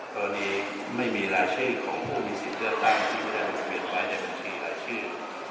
ตอนนี้ไม่มีรายชื่อของผู้มีสิทธิ์เลือกตั้งที่ไม่ได้บริเวณไว้ในบัญชีรายชื่อ